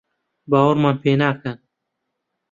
باوەڕمان پێ ناکەن؟